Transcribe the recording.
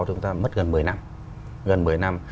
chúng ta mất gần một mươi năm